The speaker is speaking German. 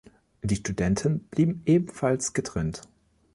Die Studenten blieben ebenfalls getrennt.